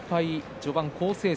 序盤好成績。